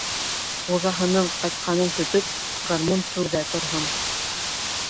Хужаһының ҡайтҡанын көтөп, гармун түрҙә торһон.